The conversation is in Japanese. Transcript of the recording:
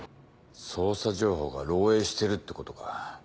捜査情報が漏洩してるってことか。